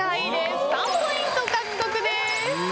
３ポイント獲得です。